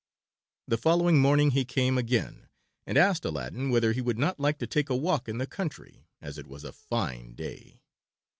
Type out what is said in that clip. The following morning he came again, and asked Aladdin whether he would not like to take a walk in the country, as it was such a fine day.